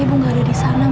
ibu nggak ada di sana